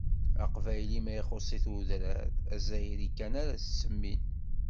Aqbayli ma ixuṣṣ-it udrar, azzayri kan ara s-semmin.